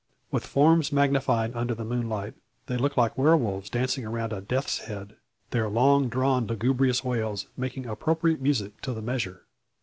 With forms magnified under the moonlight, they look like werewolves dancing around a "Death's Head," their long drawn lugubrious wails making appropriate music to the measure!